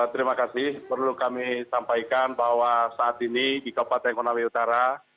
terima kasih perlu kami sampaikan bahwa saat ini di kabupaten konawe utara